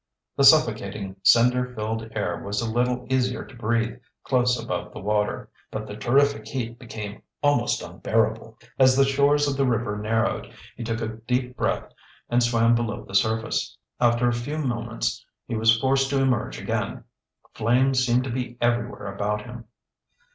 The suffocating, cinder filled air was a little easier to breathe close above the water, but the terrific heat became almost unbearable. As the shores of the river narrowed, he took a deep breath and swam below the surface. After a few moments he was forced to emerge again. Flames seemed to be everywhere about him.